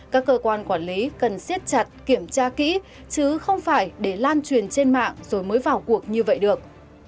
các cơ quan quản lý cần siết chặt kiểm tra kỹ chứ không phải để lan truyền trên mạng rồi mới vào cuộc như vậy được